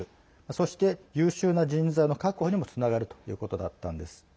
そして、優秀な人材の確保にもつながるということだったんです。